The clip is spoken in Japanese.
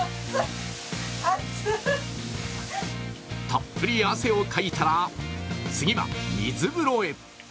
たっぷり汗をかいたら、次は水風呂へ。